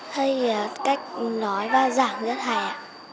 thầy cách nói và giảng rất hay ạ